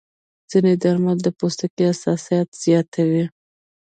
ځینې درمل د پوستکي حساسیت زیاتوي.